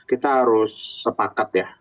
kita harus sepakat ya